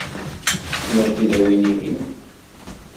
Tessneḍ tilawin-ihin?